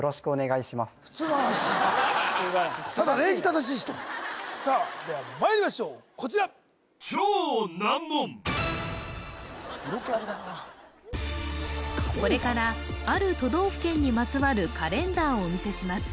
普通の話ただ礼儀正しい人・普通ださあではまいりましょうこちら色気あるなこれからある都道府県にまつわるカレンダーをお見せします